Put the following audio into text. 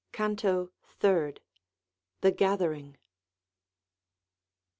CANTO THIRD. The Gathering.